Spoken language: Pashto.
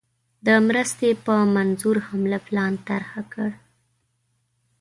د مرستي په منظور حمله پلان طرح کړ.